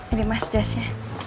ini mas jasnya